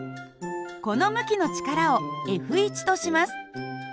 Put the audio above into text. この向きの力をＦとします。